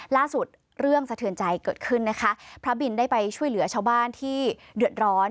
เรื่องสะเทือนใจเกิดขึ้นนะคะพระบินได้ไปช่วยเหลือชาวบ้านที่เดือดร้อน